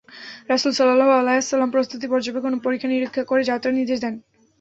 রাসূল সাল্লাল্লাহু আলাইহি ওয়াসাল্লাম প্রস্তুতি পর্যবেক্ষণ এবং পরীক্ষা-নিরীক্ষা করে যাত্রার নির্দেশ দেন।